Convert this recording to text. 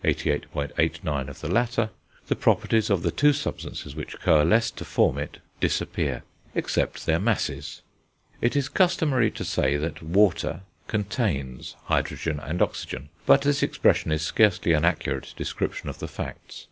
89 of the latter, the properties of the two substances which coalesce to form it disappear, except their masses. It is customary to say that water contains hydrogen and oxygen; but this expression is scarcely an accurate description of the facts.